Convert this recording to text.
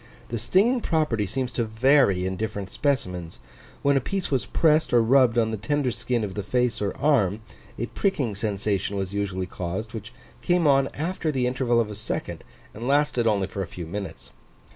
The stinging property seems to vary in different specimens: when a piece was pressed or rubbed on the tender skin of the face or arm, a pricking sensation was usually caused, which came on after the interval of a second, and lasted only for a few minutes.